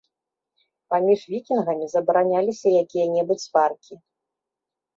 Паміж вікінгамі забараняліся якія-небудзь сваркі.